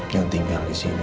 yang tinggal disini